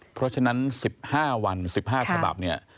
เพราะฉะนั้น๑๕วัน๑๕ฉบับเนี่ย